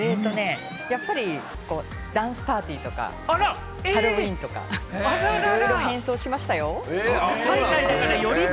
やっぱりダンスパーティーとかハロウィーンとか、いろいろ変装しましたよ。